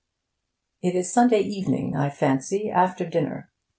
It is Sunday evening, I fancy, after dinner.